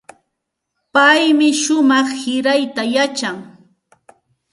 Paymi shumaq sirayta yachan.